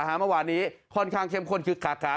เมื่อวานี้ค่อนข้างเข้มข้นคือ